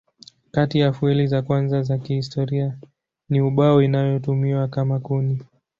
Kati ya fueli za kwanza za historia ni ubao inayotumiwa kama kuni.